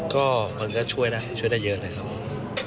ก็มันก็ช่วยได้ช่วยได้เยอะเลยครับ